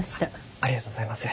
ありがとうございます。